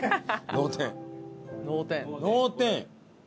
脳天。